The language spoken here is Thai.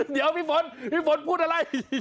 เดี๋ยวพี่ฝนพี่ฝนพูดอะไร